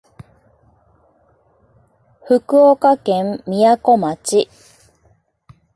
福岡県みやこ町